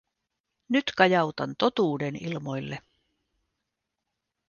Nyt kajautan totuuden ilmoille.